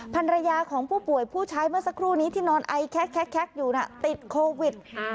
ภรรยาของผู้ป่วยผู้ชายเมื่อสักครู่นี้ที่นอนไอแคกอยู่น่ะติดโควิด